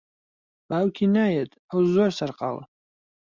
باوکی نایەت، ئەو زۆر سەرقاڵە.